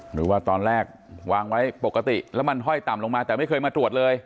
หรือว่าตอนแรกวางไว้ปกติแล้วมันห้อยต่ำลงมาแต่ไม่เคยมาตรวจเลย